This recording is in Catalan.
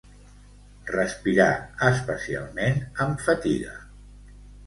Respirar, especialment amb fatiga.